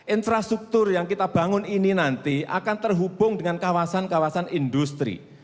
infrastruktur yang kita bangun ini nanti akan terhubung dengan kawasan kawasan industri